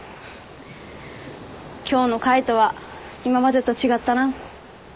今日の海斗は今までと違ったな。